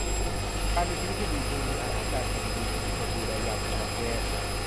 การมีชีวิตที่ดี คือมีอาหารการกินดี มีคนดูแลยามถูกรังแก